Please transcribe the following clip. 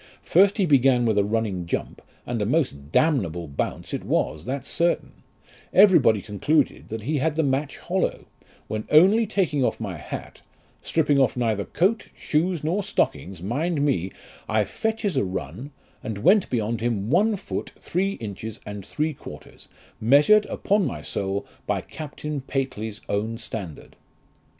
First he began with a running jump, and a most damnable bounce it was, that's certain : everybody concluded that he had the match hollow ; when only taking off my hat, stripping off neither coat, shoes, nor stock ings, mind me, I fetches a run, and went beyond him one foot, three inches and three quarters, measured, upon my soul, by Captain Pately's own standard